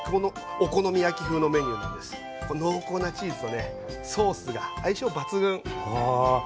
濃厚なチーズとねソースが相性抜群。